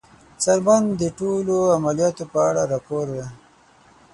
څارمن د ټولو عملیاتو په اړه راپور ورکوي.